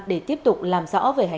để tiếp tục làm sao